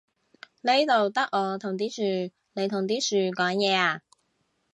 呢度得我同啲樹，你同啲樹講嘢呀？